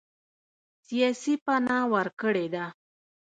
سیاسي پناه ورکړې ده.